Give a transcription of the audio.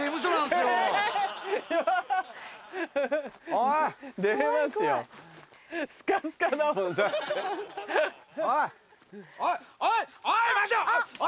おい！